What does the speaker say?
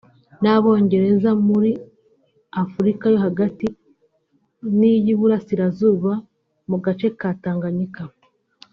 n’Abongereza muri Afurika yo hagati n’iy’Iburasirazuba mu gace ka Tanganyika